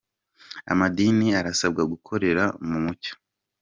Amadini arasabwa gukorera mu mucyo